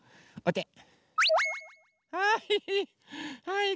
はい。